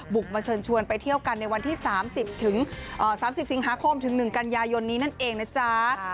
มาเชิญชวนไปเที่ยวกันในวันที่๓๐๓๐สิงหาคมถึง๑กันยายนนี้นั่นเองนะจ๊ะ